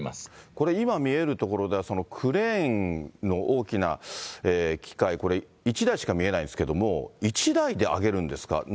これ、今見えるところでは、クレーンの大きな機械、これ、１台しか見えないんですけども、１台であげるんですか。